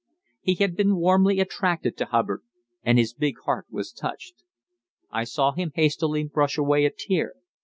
He had been warmly attracted to Hubbard, and his big heart was touched. I saw him hastily brush away a tear.